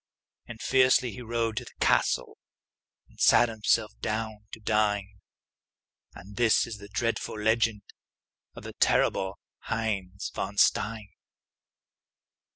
And fiercely he rode to the castle And sat himself down to dine; And this is the dreadful legend Of the terrible Heinz von Stein.